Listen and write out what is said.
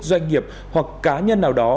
doanh nghiệp hoặc cá nhân nào đó